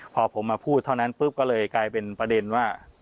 พอผมมาพูดเท่านั้นปุ๊บก็เลยกลายเป็นประเด็นว่า